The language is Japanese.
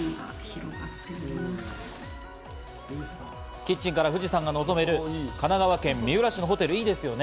キッチンから富士山が臨める神奈川県三浦市のホテル、いいですよね。